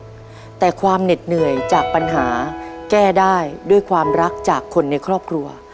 แต่ความเหน็ดเหนื่อยจากปัญหาแก้ได้ด้วยความรักจากคนในครอบครัว